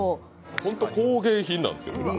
本当、工芸品なんです。